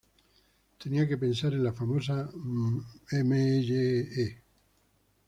Tenía que pensar en la famosa Mlle.